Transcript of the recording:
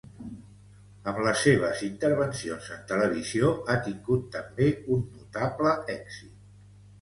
Amb les seves intervencions en televisió ha tingut també un notable èxit.